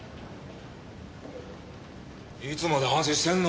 いつまで反省してんの？